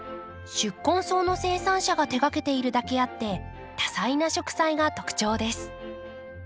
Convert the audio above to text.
宿根草の生産者が手がけているだけあって多彩な植栽が特徴です。